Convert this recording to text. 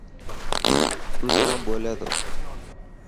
تون جام ٻولي تو.